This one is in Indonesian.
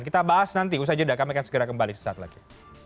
kita bahas nanti usaha jeda kami akan segera kembali sesaat lagi